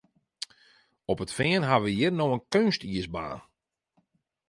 Op it Fean ha we hjir no in keunstiisbaan.